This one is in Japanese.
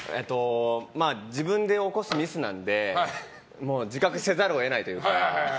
自分で起こすミスなので自覚せざるを得ないというか。